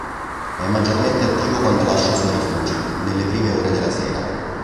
È maggiormente attivo quando lascia i suoi rifugi, nelle prime ore della sera.